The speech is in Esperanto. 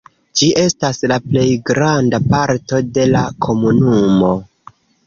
Ĝi estas la plej granda parto de la komunumo.